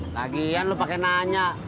lagian lu pake nanya